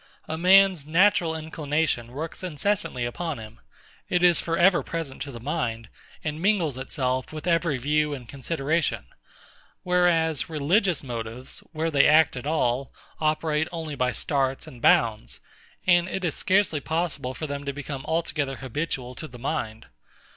A man's natural inclination works incessantly upon him; it is for ever present to the mind, and mingles itself with every view and consideration: whereas religious motives, where they act at all, operate only by starts and bounds; and it is scarcely possible for them to become altogether habitual to the mind.